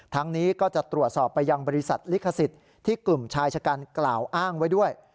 นี้ก็จะตรวจสอบไปยังบริษัทลิขสิทธิ์ที่กลุ่มชายชะกันกล่าวอ้างไว้ด้วย